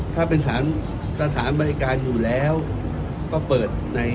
ถ้าเป็นสถานบริการที่อยู่ในโรงแรมถึงตี๔ได้ตรงไหนมีโรงแรมก็เปิดได้หมด